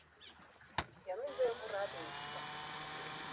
Яны за яго радуюцца.